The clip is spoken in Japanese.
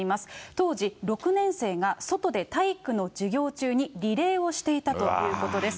当時、６年生が外で体育の授業中にリレーをしていたということです。